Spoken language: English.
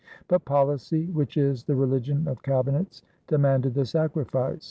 31 RUSSIA But policy, which is the religion of cabinets, demanded the sacrifice.